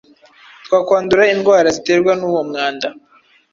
Twakwandura indwara ziterwa n’uwo mwanda.